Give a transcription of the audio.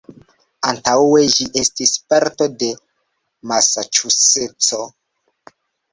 Antaŭe ĝi estis parto de Masaĉuseco.